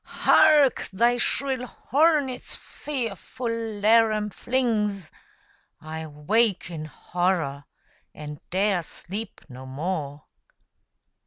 Hark, thy shrill horn its fearful laram flings! —I wake in horror, and 'dare sleep no more!